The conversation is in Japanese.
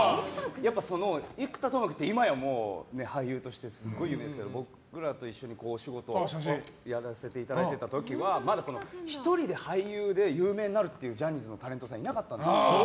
生田斗真君って今や、もう俳優としてすごい有名ですけど僕らと一緒に仕事をやらせていただいていた時はまだ１人で俳優で有名になるというジャニーズのタレントさんいなかったんですよ。